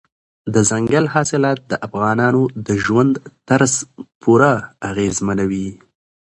دځنګل حاصلات د افغانانو د ژوند طرز پوره اغېزمنوي.